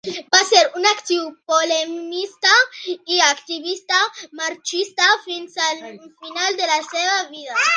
Va ser un actiu polemista i activista marxista fins al final de la seva vida.